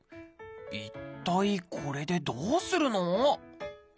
一体これでどうするの？